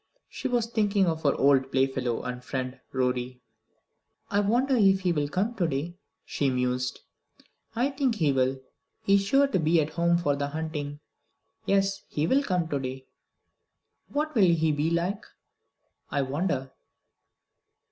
She was thinking of her old playfellow and friend, Rorie. "I wonder if he will come to day?" she mused. "I think he will. He is sure to be at home for the hunting. Yes, he will come to day. What will he be like, I wonder?